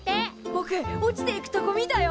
ぼく落ちていくとこ見たよ！